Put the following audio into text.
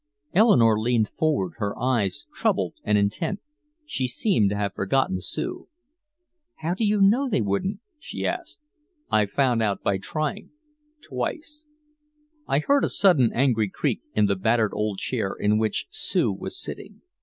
Eleanore leaned forward, her eyes troubled and intent. She seemed to have forgotten Sue. "How do you know they wouldn't?" she asked. "I found out by trying twice." I heard a sudden angry creak in the battered old chair in which Sue was sitting.